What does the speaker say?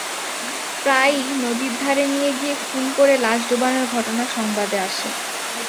প্রায়ই নদীর ধারে নিয়ে গিয়ে খুন করে লাশ ডোবানোর ঘটনা সংবাদে আসে।